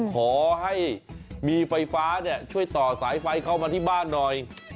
ขอให้มีไฟฟ้าช่วยต่อสายไฟเข้ามาที่บ้านหน่อย